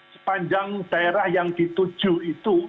sepanjang daerah yang dituju itu